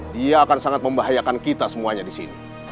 dia akan sangat membahayakan kita semuanya di sini